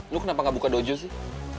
lu kenapa gak buka dojo sih